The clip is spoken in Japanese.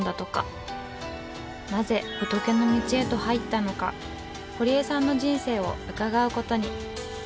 なぜ仏の道へと入ったのか堀江さんの人生を伺うことに。